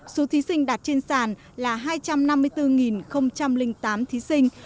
số thí sinh đạt trên sàn là hai trăm năm mươi bốn tám thí sinh